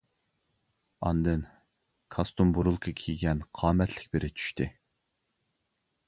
ئاندىن كاستۇم-بۇرۇلكا كىيگەن قامەتلىك بىرى چۈشتى.